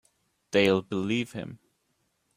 They'll believe him.